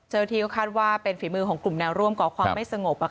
เจ้าหน้าที่ก็คาดว่าเป็นฝีมือของกลุ่มแนวร่วมก่อความไม่สงบ